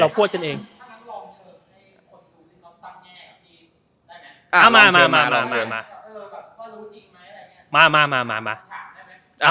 เราพวชกันเองถ้ามันลองเชิญให้คนที่ต้องฟังแยกได้ไหมอ่ามามา